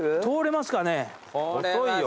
通れますかね？